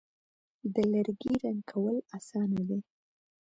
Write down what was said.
د لرګي رنګ کول آسانه دي.